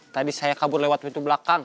tadi saya kabur lewat pintu belakang